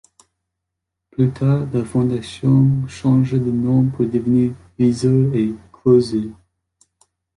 Plus tard la fondation changea de nom pour devenir ‘Visor’ et ‘Closer’.